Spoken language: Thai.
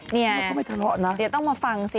นี่เนี่ยต้องมาฟั่งซิ